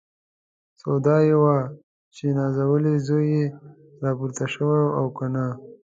سودا یې وه چې نازولی زوی یې راپورته شوی او که نه.